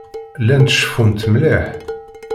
Llant ceffunt mliḥ.